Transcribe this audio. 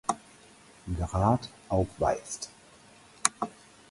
Grad aufweist.